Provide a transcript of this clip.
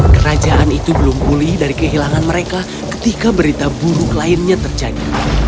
kerajaan itu belum pulih dari kehilangan mereka ketika berita buruk lainnya terjadi